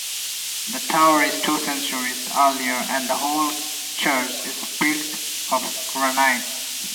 The tower is two centuries earlier and the whole church is built of granite.